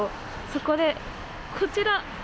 そこで、こちら！